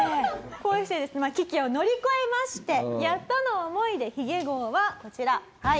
こうしてですねまあ危機を乗り越えましてやっとの思いで髭号はこちらはい。